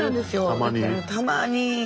たまに。